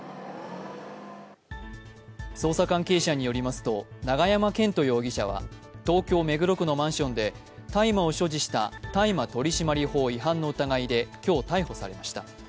捜査関係者によりますと永山絢斗容疑者は東京・目黒区のマンションで大麻を所持した大麻取締法違反の疑いで今日、逮捕されました。